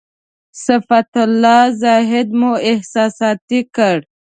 صفت الله زاهدي مو احساساتي کړ.